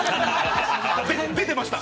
出てました！